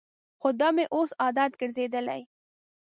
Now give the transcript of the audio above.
خو دا مې اوس عادت ګرځېدلی.